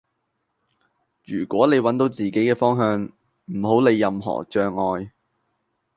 如果你搵到自己嘅方向,唔好理任何障礙